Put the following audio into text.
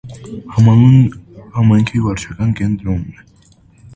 Համանուն համայնքի վարչական կետնրոնն է։